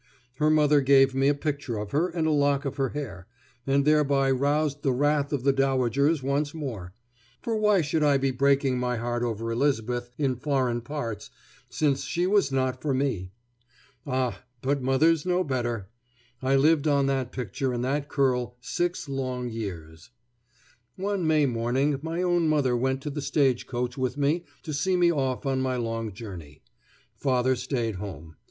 Her mother gave me a picture of her and a lock of her hair, and thereby roused the wrath of the dowagers once more; for why should I be breaking my heart over Elizabeth in foreign parts, since she was not for me? Ah, but mothers know better! I lived on that picture and that curl six long years. [Illustration: The Picture her Mother gave me] One May morning my own mother went to the stagecoach with me to see me off on my long journey. Father stayed home.